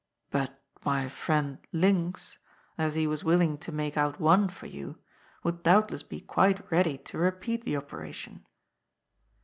^^ But my friend Linx, as he was willing to make out one for you, would doubtless be quite ready to repeat the oper ation."